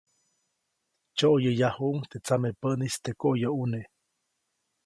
Tsyoʼyäyajuʼuŋ teʼ tsamepäʼnis teʼ koʼyoʼune.